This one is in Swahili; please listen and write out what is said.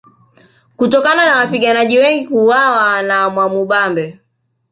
Kutokana na wapiganaji wengi kuuawa na Mwamubambe